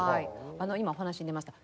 今お話に出ました